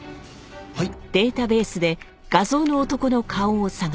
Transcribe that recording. はい。